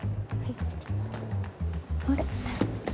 あれ？